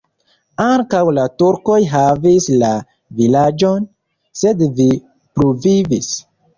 Ankaŭ la turkoj havis la vilaĝon, sed ĝi pluvivis.